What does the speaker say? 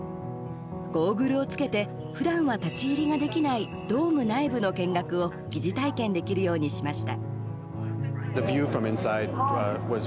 ゴーグルを着けてふだんは立ち入りができないドーム内部の見学を擬似体験できるようにしました。